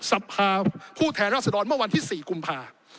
สภาผู้แทนรัศดรเมื่อวันที่๔กุมภา